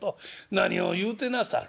何を言うてなさる。